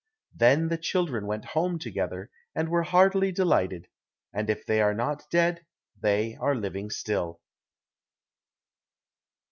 Then the children went home together, and were heartily delighted, and if they are not dead, they are living still.